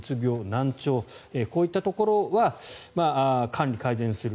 難聴こういったところは管理改善する。